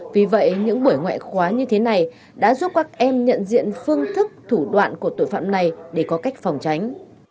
vì vậy những buổi ngoại khóa như thế này đã giúp các em nhận diện phương thức thủ đoạn của tội phạm này để có cách phòng tránh